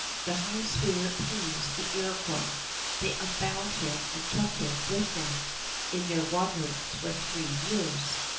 The high spirit pleased the Iroquois. They unbound him and took him with them in their wanderings for three years.